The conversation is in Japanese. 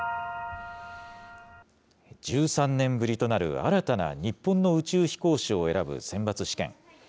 １３年ぶりとなる新たな日本の宇宙飛行士を選ぶ選抜試験。